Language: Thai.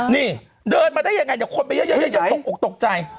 นี่เดินมาได้ยังไงอย่างเดียวคลมไปเยอะจะออกตกใจ